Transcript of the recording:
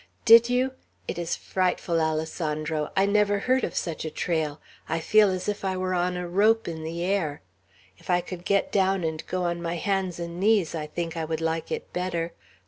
"Did you? It is frightful, Alessandro. I never heard of such a trail. I feel as if I were on a rope in the air. If I could get down and go on my hands and knees, I think I would like it better.